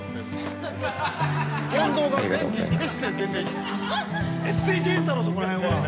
ありがとうございます。